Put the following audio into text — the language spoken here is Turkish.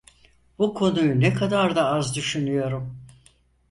Bu konuyu ne kadar da az düşünüyorum…